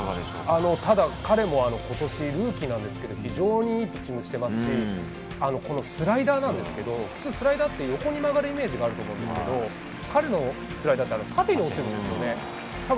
彼も今年ルーキーですが非常にいいピッチングしてますしスライダーなんですけどスライダーって横に曲がるイメージがあると思うんですけど彼のスライダーは縦に落ちるんです。